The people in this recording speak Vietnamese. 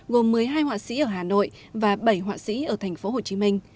gồm một mươi hai họa sĩ ở hà nội và bảy họa sĩ ở tp hcm